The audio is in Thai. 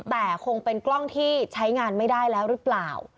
แต่คงเป็นกล้องที่ใช้งานไม่ได้แล้วหรือเปล่า